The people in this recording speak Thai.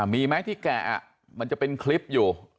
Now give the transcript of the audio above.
มีไหมที่แกะมันจะเป็นคลิปอยู่